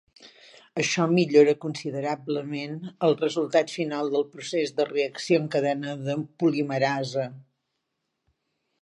Això millora considerablement el resultat final del procés de reacció en cadena de polimerasa.